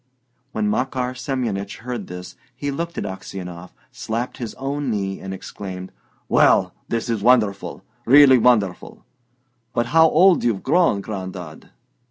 When Makar Semyonich heard this, he looked at Aksionov, slapped his own knee, and exclaimed, "Well, this is wonderful! Really wonderful! But how old you've grown, Gran'dad!"